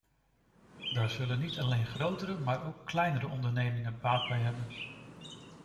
Daar zullen niet alleen grotere, maar ook kleinere ondernemingen baat bij hebben.